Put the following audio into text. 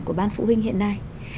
của ban phụ huynh hiện nay